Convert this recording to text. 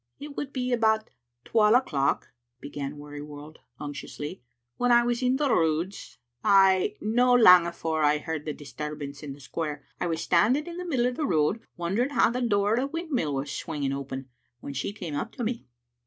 " It would be about twal o'clock," began Wearyworld unctuously, "when I was in the Roods, ay, no lang afore I heard the disturbance in the square. I was standing in the middle o' the road, wondering how the door o' the windmill was swinging open, when she came up to me.